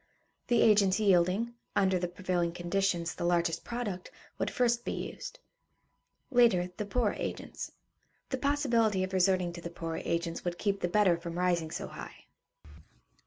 The agents yielding, under the prevailing conditions, the largest product, would first be used; later, the poorer agents. The possibility of resorting to the poorer agents would keep the better from rising so high.